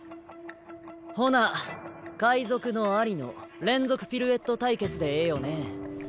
ほな「海賊」の「アリ」の連続ピルエット対決でええよね？